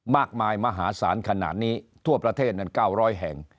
มากมายมหาศาลขนาดนี้ทั่วประเทศนั้น๙๐๐แห่ง